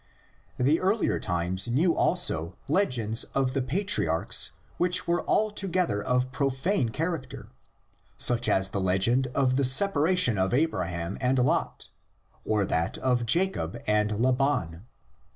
The earlier times knew also legends of the patri archs which were altogether of profane character, such as the legend of the separation of Abraham and Lot, or that of Jacob and Laban.